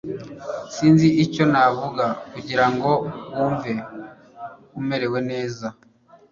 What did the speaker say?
sinzi icyo navuga kugirango wumve umerewe neza